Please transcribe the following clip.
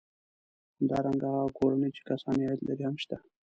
همدارنګه هغه کورنۍ چې کسان یې عاید لري هم شته